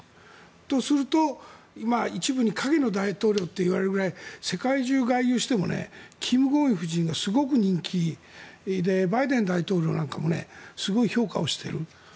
とすると今、一部に影の大統領といわれるくらい世界中外遊してもキム・ゴンヒ夫人がすごく人気でバイデン大統領なんかもすごい評価をしている。